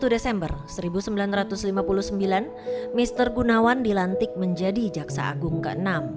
satu desember seribu sembilan ratus lima puluh sembilan mr gunawan dilantik menjadi jaksa agung ke enam